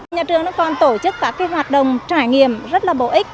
nhà trường còn tổ chức các hoạt động trải nghiệm rất là bổ ích